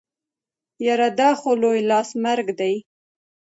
يره دا خو لوی لاس مرګ دی.